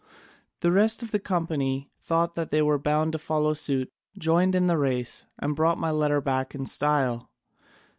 The rest of the company thought they were bound to follow suit, joined in the race, and brought my letter back in style.